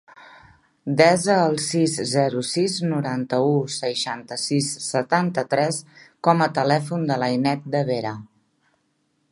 Desa el sis, zero, sis, noranta-u, seixanta-sis, setanta-tres com a telèfon de l'Ainet De Vera.